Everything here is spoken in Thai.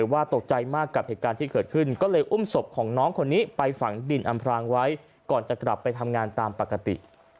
ว่าตกใจมากกับเหตุการณ์ที่เกิดขึ้นก็เลยอุ้มศพของน้องคนนี้ไปฝังดินอำพรางไว้ก่อนจะกลับไปทำงานตามปกติ